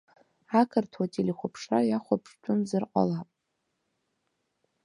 Ақырҭуа телехәаԥшра иахәаԥштәымзар ҟалап.